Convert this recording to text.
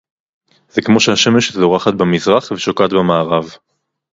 זה כמו שהשמש זורחת במזרח ושוקעת במערב